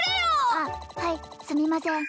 あっはいすみません